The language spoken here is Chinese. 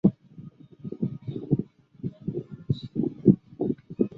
该部门专责处理悉尼某些海滨地区的管理发展。